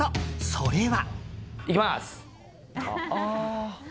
それは。